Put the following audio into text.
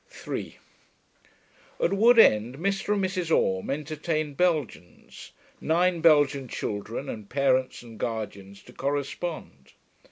3 At Wood End, Mr. and Mrs. Orme entertained Belgians. Nine Belgian children, and parents and guardians to correspond.